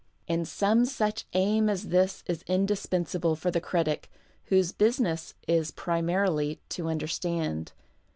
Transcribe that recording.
And some such aim as this is indispensable for the critic, whose business is primarily to imderstand.